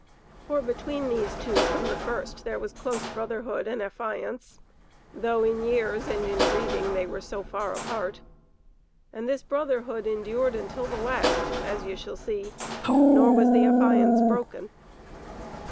For between these two from the first there was close brotherhood and affiance, though in years and in breeding they were so far apart, and this brotherhood endured until the last, as ye shall see, nor was the affiance broken.